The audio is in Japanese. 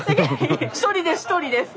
１人です１人です。